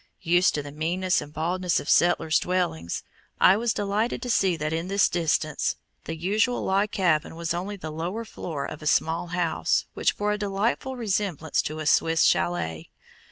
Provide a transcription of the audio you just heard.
Used to the meanness and baldness of settlers' dwellings. I was delighted to see that in this instance the usual log cabin was only the lower floor of a small house, which bore a delightful resemblance to a Swiss chalet.